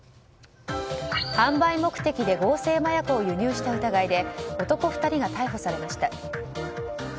販売目的で合成麻薬を輸入した疑いで男２人が逮捕されました。